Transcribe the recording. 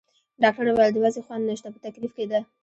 ډاکټر وویل: د وضعې خوند نشته، په تکلیف کې ده.